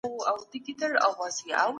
ارواپوهنه د زړه ډاډ دی.